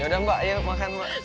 ya udah mbak ayo makan mbak